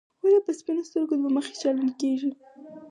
ولې په سپینو سترګو دوه مخي چلن کېږي.